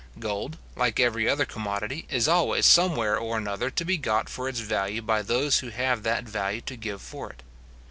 Gold, like every other commodity, is always somewhere or another to be got for its value by those who have that value to give for it.